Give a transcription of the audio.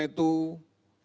kita harus menjaga jarak